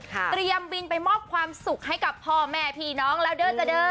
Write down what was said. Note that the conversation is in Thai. เตรียมบินไปมอบความสุขให้กับพ่อแม่พี่น้องแล้วเด้อจเด้อ